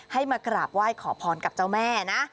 มากราบไหว้ขอพรกับเจ้าแม่นะ